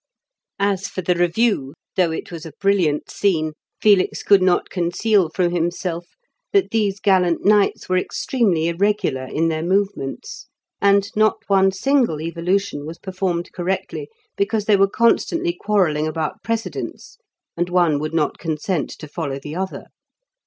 As for the review, though it was a brilliant scene, Felix could not conceal from himself that these gallant knights were extremely irregular in their movements, and not one single evolution was performed correctly, because they were constantly quarrelling about precedence, and one would not consent to follow the other.